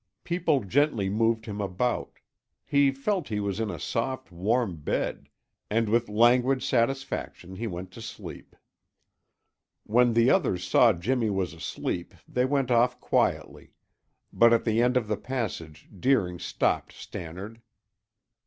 People gently moved him about; he felt he was in a soft, warm bed, and with languid satisfaction he went to sleep. When the others saw Jimmy was asleep they went off quietly, but at the end of the passage Deering stopped Stannard.